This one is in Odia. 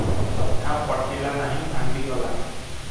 କଥା ପଟିଲା ନାହିଁ, ଭାଙ୍ଗିଗଲା ।